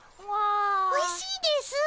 おいしいですぅ。